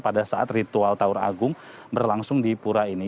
pada saat ritual taur agung berlangsung di pura ini